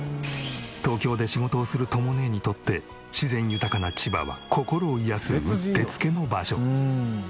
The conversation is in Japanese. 東京で仕事をするとも姉にとって自然豊かな千葉は心を癒やすうってつけの場所。